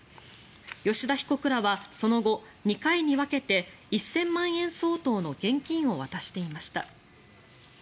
吉田被告らはその後２回に分けて１０００万円相当の現金を渡していました。